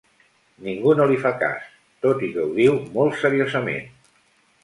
Ningú no li fa cas, tot i que ho diu molt seriosament.